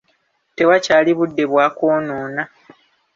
Tewakyali budde bwakwonoona.